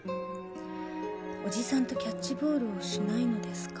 「おじさんとキャッチボールをしないのですか？」